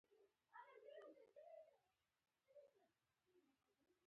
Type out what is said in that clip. د محاصرې ليکې ته به نږدې ورغی.